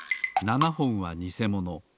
７ほんはにせもの。